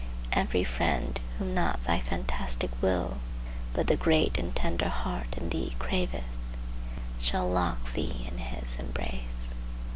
Every friend whom not thy fantastic will but the great and tender heart in thee craveth, shall lock thee in his embrace.